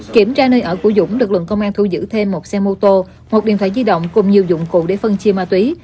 kiểm tra nơi ở của dũng lực lượng công an thu giữ thêm một xe mô tô một điện thoại di động cùng nhiều dụng cụ để phân chia ma túy